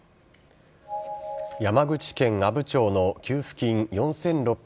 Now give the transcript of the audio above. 山口県阿武町の給付金４６３０万